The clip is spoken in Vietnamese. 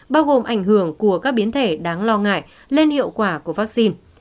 bao gồm ảnh hưởng của các biến thể đáng lo ngại lên hiệu quả của vaccine